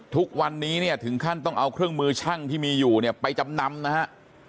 ทุกวันนี้เนี่ยถึงขั้นต้องเอาเครื่องมือช่างที่มีอยู่เนี่ยไปจำนำนะฮะ